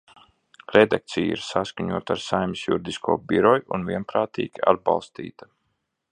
Redakcija ir saskaņota ar Saeimas Juridisko biroju un vienprātīgi atbalstīta.